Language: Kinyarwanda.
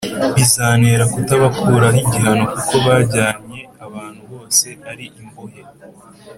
bizantera kutabakuraho igihano kuko bajyanye abantu bose ari imbohe,